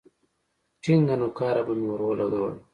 ټينگه نوکاره به مې ورولگوله.